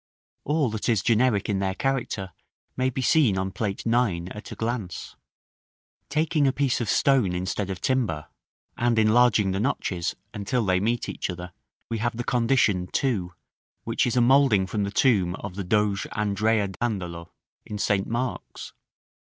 All that is generic in their character may be seen on Plate IX. at a glance. [Illustration: Plate IX. EDGE DECORATION.] § IV. Taking a piece of stone instead of timber, and enlarging the notches, until they meet each other, we have the condition 2, which is a moulding from the tomb of the Doge Andrea Dandolo, in St. Mark's.